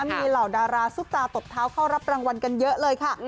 มีเหล่าดาราซุปตาตบเท้าเข้ารับรางวัลกันเยอะเลยค่ะ